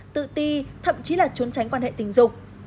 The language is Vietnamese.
tự ti thậm chí là trốn tránh quan hệ tình dục